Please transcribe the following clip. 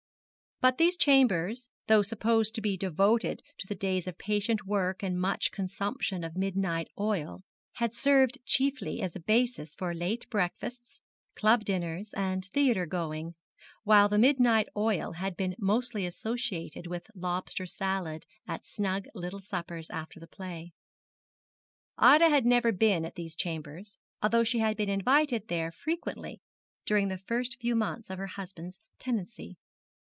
But these chambers, though supposed to be devoted to days of patient work and much consumption of midnight oil, had served chiefly as a basis for late breakfasts, club dinners, and theatre going, while the midnight oil had been mostly associated with lobster salad at snug little suppers after the play. Ida had never been at these chambers, although she had been invited there frequently during the first few months of her husband's tenancy.